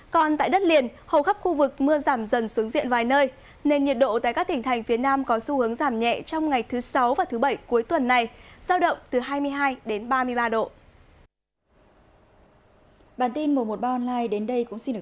còn tại đất liền hầu khắp khu vực mưa giảm dần xuống diện vài nơi nên nhiệt độ tại các tỉnh thành phía nam có xu hướng giảm nhẹ trong ngày thứ sáu và thứ bảy cuối tuần này giao động từ hai mươi hai đến ba mươi ba độ